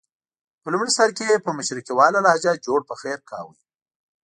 په لومړي سر کې یې په مشرقیواله لهجه جوړ پخیر کاوه.